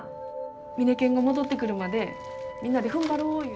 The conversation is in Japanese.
ミネケンが戻ってくるまでみんなでふんばろういうて。